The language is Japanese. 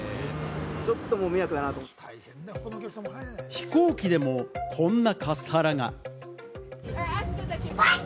飛行機でもこんなカスハラが。